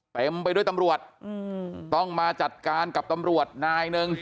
เต็มไปด้วยตำรวจต้องมาจัดการกับตำรวจนายหนึ่ง